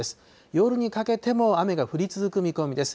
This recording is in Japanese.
夜にかけても雨が降り続く見込みです。